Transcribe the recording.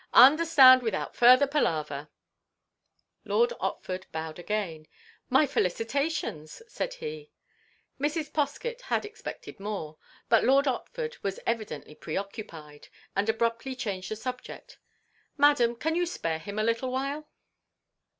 Understand without further palaver." Lord Otford bowed again. "My felicitations," said he. Mrs. Poskett had expected more; but Lord Otford was evidently preoccupied, and abruptly changed the subject. "Madam, can you spare him a little while?"